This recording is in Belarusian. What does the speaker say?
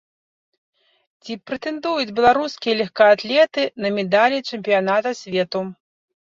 Ці прэтэндуюць беларускія лёгкаатлеты на медалі чэмпіяната свету?